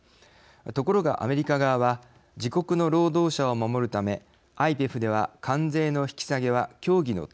ところがアメリカ側は自国の労働者を守るためＩＰＥＦでは関税の引き下げは協議の対象としていません。